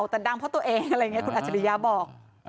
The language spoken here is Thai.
แต่ดังเพราะตัวเองอะไรอย่างนี้คุณอัจฉริยะบอก